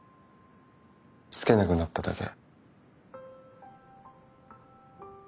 つけなくなっただけ。